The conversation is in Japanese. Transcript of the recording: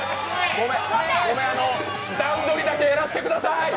ごめん、あの段取りだけやらせてください！